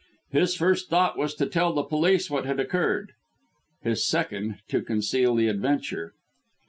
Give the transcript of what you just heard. His first thought was to tell the police what had occurred, his second to conceal the adventure.